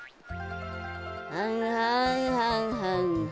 はんはんはんはんはん。